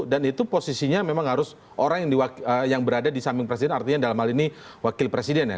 dan itu posisinya memang harus orang yang berada di samping presiden artinya dalam hal ini wakil presiden ya